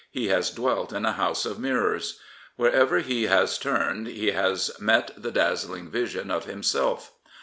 He has dwelt in a house of mirrors. Wherever he has turned he has met the dazzling vision of himself.